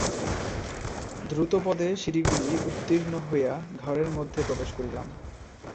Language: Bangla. দ্রুতপদে সিঁড়িগুলি উত্তীর্ণ হইয়া ঘরের মধ্যে প্রবেশ করিলাম।